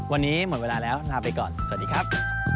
วันนี้หมดเวลาแล้วลาไปก่อนสวัสดีครับ